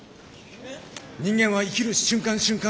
人間は生きる瞬間